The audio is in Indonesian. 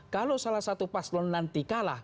kalau salah satu pas lo nanti kalah